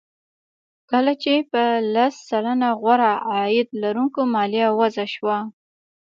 کله چې په لس سلنه غوره عاید لرونکو مالیه وضع شوه